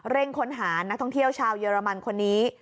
ค้นหานักท่องเที่ยวชาวเยอรมันคนนี้